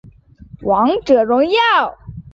基节粉苞菊为菊科粉苞苣属的植物。